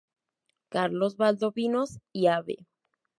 Carlos Valdovinos y Av.